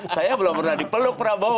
saya belum pernah dipeluk prabowo